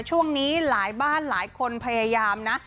ช่วงนี้หลายบ้านหลายคนพยายามนะ